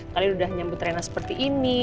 kalian sudah nyambut reina seperti ini